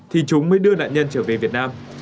thì chúng mới đưa nạn nhân trở về việt nam